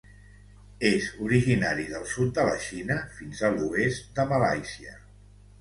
És originari del sud de la Xina fins a l'oest de Malàisia.